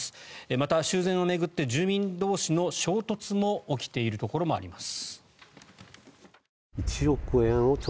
また、修繕を巡って住民同士の衝突も起きているところがあります。